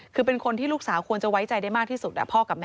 คือเป็นคนที่ลูกสาวควรจะไว้ใจได้มากที่สุด